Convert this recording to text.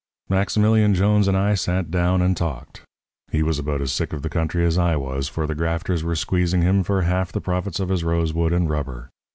"Maximilian Jones and I sat down and talked. He was about as sick of the country as I was, for the grafters were squeezing him for half the profits of his rosewood and rubber.